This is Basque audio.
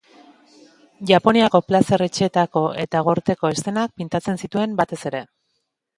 Japoniako plazer-etxeetako eta gorteko eszenak pintatzen zituen batez ere.